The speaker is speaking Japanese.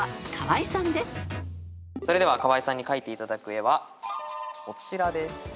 それでは河合さんに描いていただく絵はこちらです。